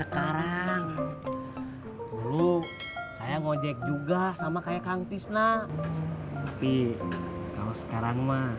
kalo sekarang me